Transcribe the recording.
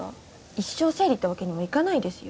一生生理ってわけにもいかないですよ